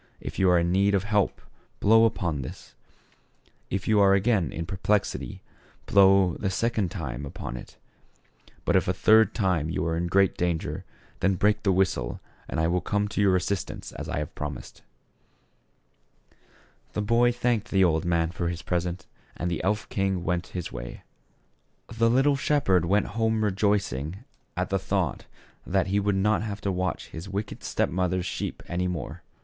If you are in need of help blow upon this ; if you are again in perplexity blow the second time upon it; but, if a third time you are in very great danger, then break the whistle and I will come to your assistance as I have promised," THE SHEPHERD BOY. 63 The boy thanked the old man for his present, and the elf king went his way. The little shep herd went home rejoicing at the thought that he would not have to watch his wicked step mother's sheep any more.